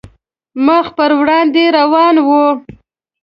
مخ په وړاندې روان وو.